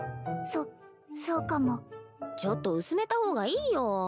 そそうかもちょっと薄めた方がいいよ